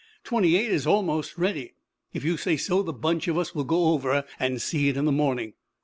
Twenty eight is almost ready. If you say so, the bunch of us will go over and see it in the morning.